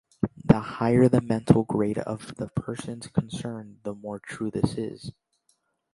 The higher the mental grade of the persons concerned, the more true this is.